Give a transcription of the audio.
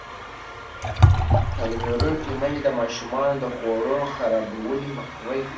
تعلیم لرونکې میندې د ماشومانو د خوړو خرابوالی مخنیوی کوي.